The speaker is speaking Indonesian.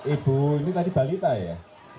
ini tadi balita ya